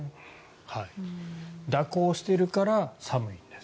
蛇行しているから寒いんです。